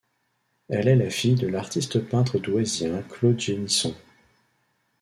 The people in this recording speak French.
Elle est la fille de l'artiste peintre douaisien Claude Génisson.